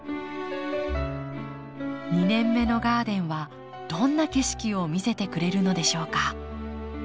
２年目のガーデンはどんな景色を見せてくれるのでしょうか？